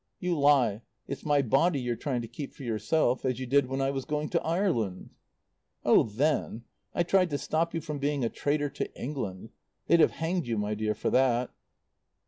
"You lie. It's my body you're trying to keep for yourself. As you did when I was going to Ireland." "Oh, then I tried to stop you from being a traitor to England. They'd have hanged you, my dear, for that."